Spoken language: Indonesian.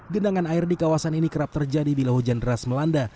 genangan air di kawasan ini kerap terjadi bila hujan deras melanda